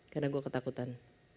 karena gue ketakutan